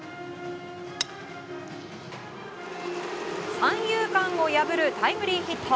三遊間を破るタイムリーヒット。